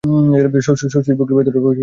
শশীর বুকের ভিতরটা হিম হইয়া গেল।